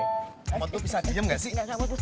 kamu tuh bisa diem gak sih